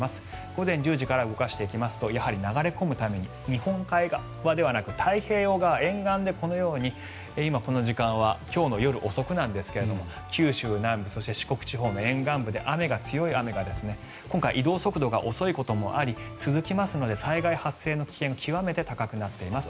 午前１０時から動かしていきますとやはり流れ込むために日本海側ではなく太平洋側沿岸で、このように今、この時間は今日の夜遅くなんですが九州南部、そして四国地方の沿岸部で強い雨が今回、移動速度が遅いこともあり続きますので災害発生の危険が極めて高くなっています。